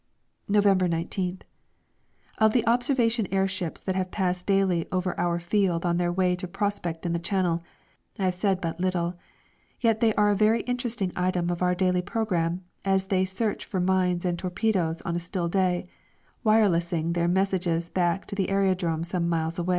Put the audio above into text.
November 19th. Of the observation airships that have passed daily over our field on their way to prospect in the Channel, I have said but little; yet they are a very interesting item of our daily programme as they search for mines and torpedoes on a still day, wirelessing their messages back to the aerodrome some miles away.